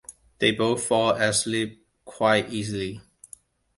They both fall asleep quite easily.